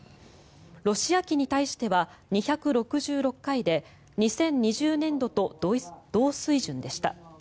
ロシア機に対しては２６６回で２０２０年度と同水準でした。